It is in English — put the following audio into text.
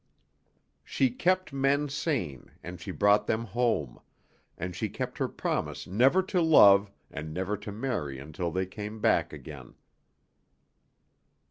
She kept men sane, and she brought them home, and she kept her promise never to love and never to marry until they came back again.